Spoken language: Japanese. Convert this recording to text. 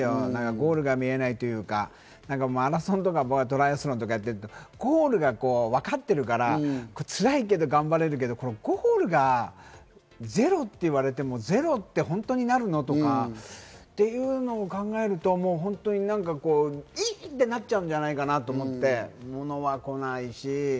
ゴールが見えないというか、マラソンとかトライアスロンやってると、ゴールがわかっているから、つらいけれども頑張れるけど、ゴールがゼロと言われても、ゼロって本当になるの？と。というのを考えると、い！ってなっちゃうんじゃないかなと思って。